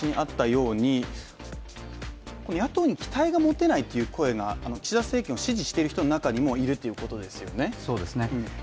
野党に期待が持てないという声が、岸田政権を支持している人の中にもあるわけですよね。